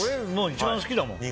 一番好きだもん。